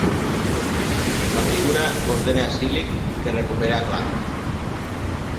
La figura ordena a Silik que recuperi a Klaang.